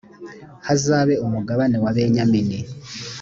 hazabe umugabane wa benyamini